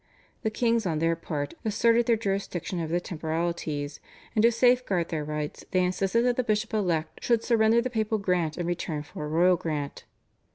The kings on their part asserted their jurisdiction over the temporalities, and to safeguard their rights they insisted that the bishop elect should surrender the papal grant in return for a royal grant.